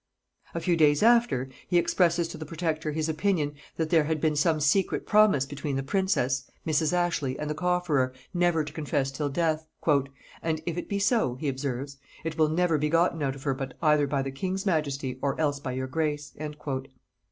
A few days after, he expresses to the protector his opinion that there had been some secret promise between the princess, Mrs. Ashley, and the cofferer, never to confess till death; "and if it be so," he observes, "it will never be gotten of her but either by the king's majesty or else by your grace."